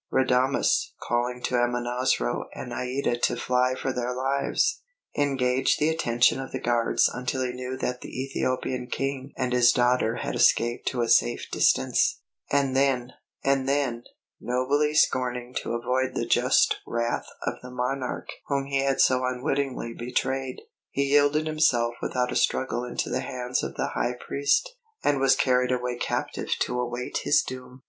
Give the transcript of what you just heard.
Radames, calling to Amonasro and Aïda to fly for their lives, engaged the attention of the guards until he knew that the Ethiopian King and his daughter had escaped to a safe distance; and then, nobly scorning to avoid the just wrath of the monarch whom he had so unwittingly betrayed, he yielded himself without a struggle into the hands of the High Priest, and was carried away captive to await his doom.